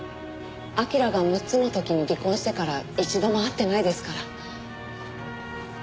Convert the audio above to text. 彬が６つの時に離婚してから一度も会ってないですから。